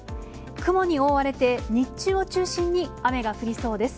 雲に覆われて、日中を中心に雨が降りそうです。